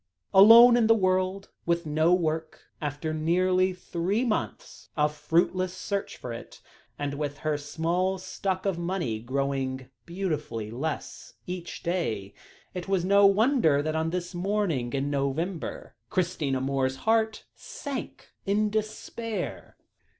Alone in the world, with no work, after nearly three months of fruitless search for it, and with her small stock of money growing beautifully less each day, it was no wonder that on this morning in November, Christina Moore's heart sank in despair.